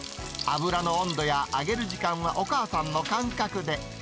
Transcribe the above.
油の温度や揚げる時間はお母さんの感覚で。